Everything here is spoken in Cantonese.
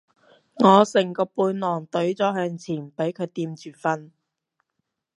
我成個背囊隊咗向前俾佢墊住瞓